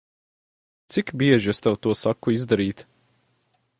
Cik bieži es tev to saku izdarīt?